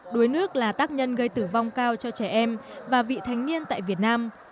đuối nước là tác nhân gây tử vong cao cho trẻ em và vị thanh niên tại việt nam